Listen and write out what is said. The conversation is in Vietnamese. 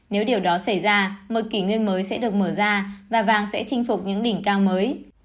nếu điều đó xảy ra một kỷ nguyên mới sẽ được mở ra và vàng sẽ chinh phục những đỉnh cao mới